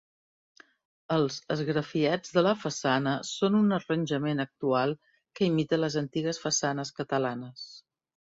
Els esgrafiats de la façana són un arranjament actual que imita les antigues façanes catalanes.